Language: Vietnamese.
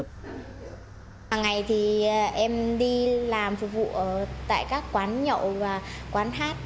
từ đây thì em đi làm phục vụ tại các quán nhậu và quán hát